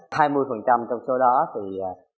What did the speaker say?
trong số đó thì